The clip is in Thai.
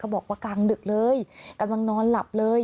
บอกว่ากลางดึกเลยกำลังนอนหลับเลย